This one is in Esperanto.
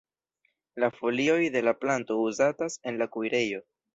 La folioj de la planto uzatas en la kuirejo.